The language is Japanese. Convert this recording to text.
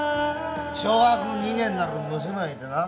小学２年になる娘がいてな